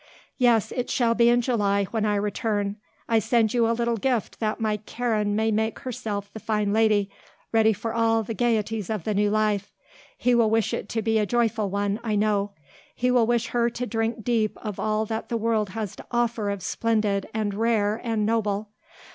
"Yes; it shall be in July, when I return. I send you a little gift that my Karen may make herself the fine lady, ready for all the gaieties of the new life. He will wish it to be a joyful one, I know; he will wish her to drink deep of all that the world has to offer of splendid, and rare, and noble.